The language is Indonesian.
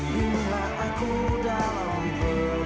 bibi jadi sedih